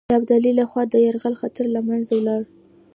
ابدالي له خوا د یرغل خطر له منځه ولاړ.